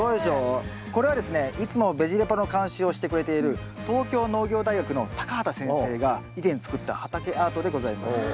これはですねいつもベジ・レポの監修をしてくれている東京農業大学の畑先生が以前作った畑アートでございます。